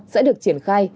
sẽ được triển khai